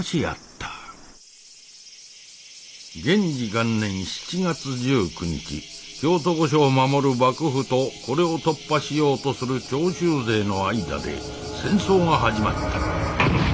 元治元年７月１９日京都御所を守る幕府とこれを突破しようとする長州勢の間で戦争が始まった。